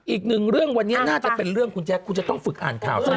อีกหนึ่งเรื่องวันนี้น่าจะเป็นเรื่องคุณแจ๊คคุณจะต้องฝึกอ่านข่าวซะหน่อย